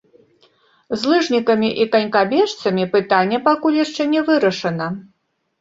З лыжнікамі і канькабежцамі пытанне пакуль яшчэ не вырашана.